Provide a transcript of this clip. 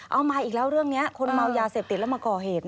มาอีกแล้วเรื่องนี้คนเมายาเสพติดแล้วมาก่อเหตุ